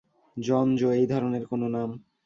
জন, Joe এই ধরনের কোনো নাম।